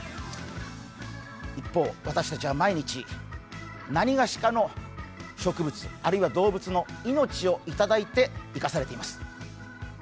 一方、私たちは毎日なにがしかの植物、あるいは動物の命をいただいて生かされています。